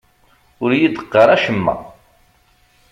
Ur yi-d-qqar acemma.